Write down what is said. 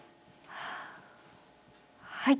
はい。